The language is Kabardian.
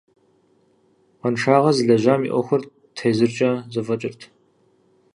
Къуаншагъэ зылэжьам и ӏуэхур тезыркӏэ зэфӏэкӏырт.